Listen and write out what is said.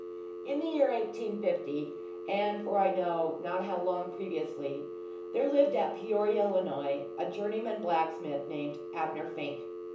In the year 1850, and for I know not how long previously, there lived at Peoria, Illinois, a journeyman blacksmith named Abner Fink.